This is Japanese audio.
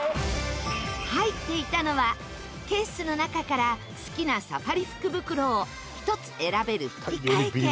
入っていたのはケースの中から好きなサファリ福袋を１つ選べる引換券。